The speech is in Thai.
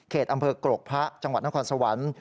เขตอำเพิ่งกรกภะจังหวัดนักความสวรรค์